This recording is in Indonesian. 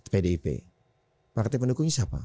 pdip partai pendukungnya siapa